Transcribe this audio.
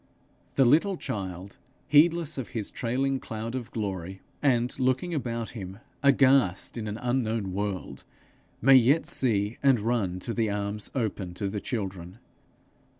The little child, heedless of his trailing cloud of glory, and looking about him aghast in an unknown world, may yet see and run to the arms open to the children.